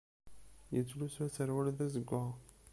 Yettlussu aserwal d azeggaɣ.